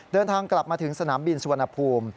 เดินทางกลับมาถึงสนามบินสุวรรณภูมิ